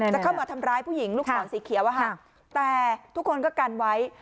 จะเข้ามาทำร้ายผู้หญิงลูกศรสีเขียวแต่ทุกคนก็กันไว้